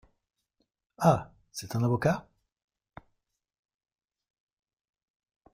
Ah ! c’est un avocat ?